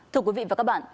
thưa quý vị và các bạn